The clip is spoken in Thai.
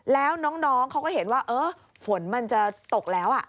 แล้วน้องเขาก็เห็นว่าฝนมันจะตกแล้ว